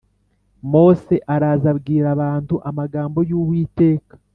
Mose araza abwira abantu amagambo y Uwiteka